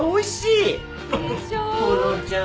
ほのちゃん